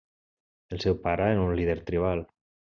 El seu pare era un líder tribal.